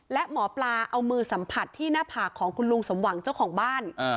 และหมอปลาเอามือสัมผัสที่หน้าผากของคุณลุงสมหวังเจ้าของบ้าน